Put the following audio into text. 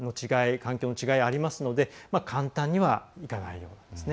環境の違いがありますので簡単にはいかないですね。